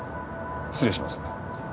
失礼します。